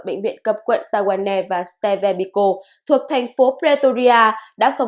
bệnh viện cấp quận tawane và stevebiko thuộc thành phố pretoria